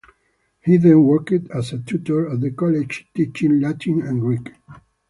He then worked as a tutor at the college teaching Latin and Greek.